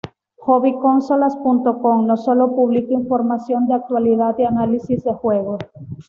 Hobbyconsolas.com no sólo publica información de actualidad y análisis de juegos.